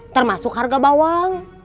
termasuk harga bawang